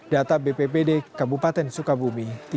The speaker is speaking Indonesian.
data bppd kabupaten sukabumi